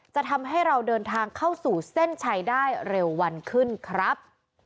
จะทำให้เราเดินทางเข้าสู่เส้นชัยได้เร็ววันขึ้นครับ